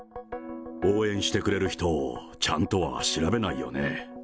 応援してくれる人をちゃんとは調べないよね。